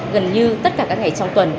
gần như tất cả các ngày trong tuần